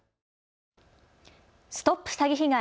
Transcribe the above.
ＳＴＯＰ詐欺被害！